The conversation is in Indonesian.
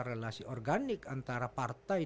relasi organik antara partai